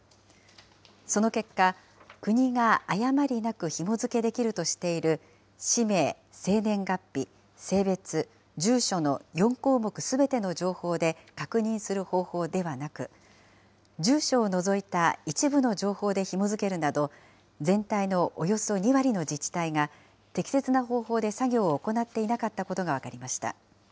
その結果、国が誤りなくひも付けできるとしている氏名、生年月日、性別、住所の４項目すべての情報で確認する方法ではなく、住所を除いた一部の情報でひも付けるなど、全体のおよそ２割の自治体が、適切な方法で作業を行っていなかったことが分かりました。